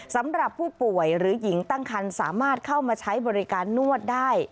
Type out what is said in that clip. สำหรับผู้ป่วยหรือหญิงตั้งคันสามารถเข้ามาใช้บริการนวดได้